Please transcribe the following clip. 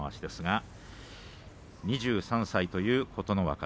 ２３歳という琴ノ若。